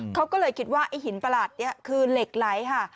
เขาก็เลยคิดว่าไอ้หินประหลาดนี้คือเหล็กไหลค่ะ